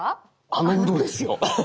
あのウドですよ。